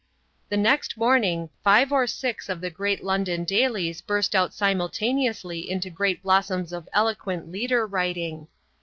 The next morning, five or six of the great London dailies burst out simultaneously into great blossoms of eloquent leader writing.